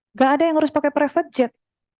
nggak ada yang harus pakai private jet